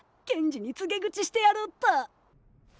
謙二に告げ口してやろっと。